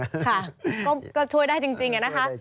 ค่ะก็ช่วยได้จริงนะครับ